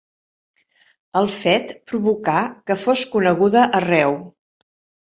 El fet provocà que fos coneguda arreu.